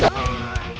tidak anda tak mahal